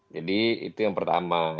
jadi itu yang pertama